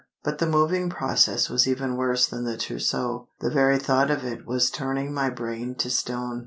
But the moving process was even worse than the trousseau. The very thought of it was turning my brain to stone.